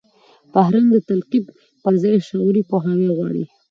فرهنګ د تقلید پر ځای شعوري پوهاوی غواړي.